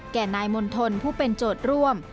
แก่นายมณฑลผู้เป็นโจทย์ร่วม